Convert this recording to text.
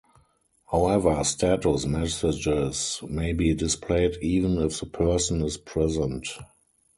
However, status messages may be displayed even if the person is present.